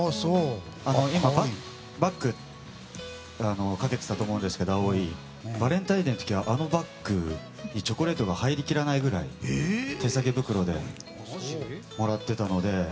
今、青いバッグをかけてたと思うんですけどバレンタインデーの時はあのバッグにチョコレートが入りきらないくらい手さげ袋で、もらってたので。